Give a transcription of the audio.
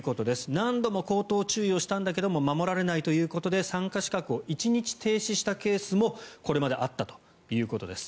何度も口頭注意をしたんだけれど守られないということで参加資格を１日停止したケースもこれまであったということです。